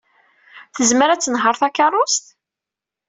Tezmer ad tenheṛ takeṛṛust?